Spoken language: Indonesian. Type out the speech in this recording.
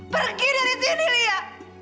pergi dari sini lia